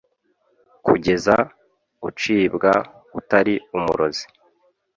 Kugeza ucibwa utari umurozi